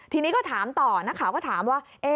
ทีนี้ก็ถามต่อนักข่าวก็ถามว่า